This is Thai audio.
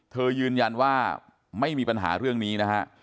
ยืนยันว่าไม่มีปัญหาเรื่องนี้นะฮะ